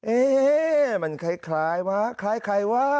เอ๊มันคล้ายว้า